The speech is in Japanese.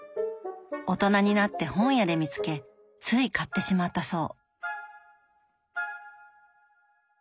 大人になって本屋で見つけつい買ってしまったそう。